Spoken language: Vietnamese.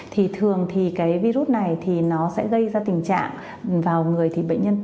thường thì virus này nó sẽ gây ra tình trạng vào người bệnh nhân